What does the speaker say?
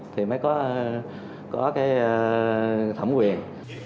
thì mới có cái thẩm quyền